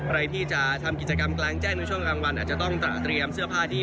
ใครที่จะทำกิจกรรมกลางแจ้งในช่วงกลางวันอาจจะต้องเตรียมเสื้อผ้าดี